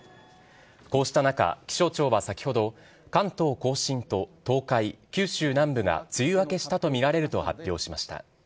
こうした中、気象庁は先ほど、関東甲信と東海、九州南部が、梅雨明けしたと見られると発表しました。